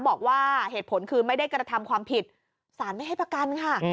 บอกว่าเหตุผลคือไม่ได้กระทำความผิดสารไม่ให้ประกันค่ะ